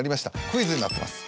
クイズになってます